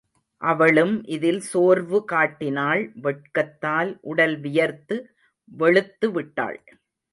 அவளும் இதில் சோர்வு காட்டினாள், வெட்கத்தால் உடல் வியர்த்து வெளுத்து விட்டாள்.